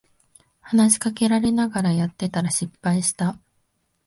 話しかけられながらやってたら失敗した